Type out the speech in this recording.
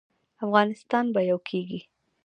افغانستان به یو کیږي